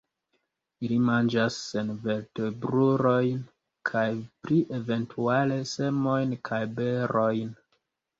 Ili manĝas senvertebrulojn kaj pli eventuale semojn kaj berojn.